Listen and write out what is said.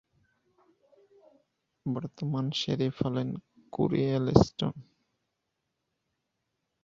বর্তমান শেরিফ হলেন কোরি এলস্টন।